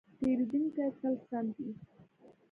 پیرودونکی تل سم وي.